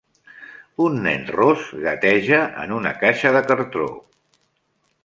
Un nen ros gateja en una caixa de cartó.